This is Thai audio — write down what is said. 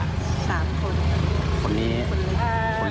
แล้วน้องเข้ามาทางไหน